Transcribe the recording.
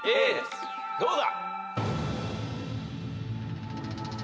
どうだ？